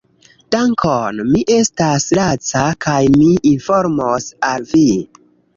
Dankon, mi estas laca, kaj mi informos al vi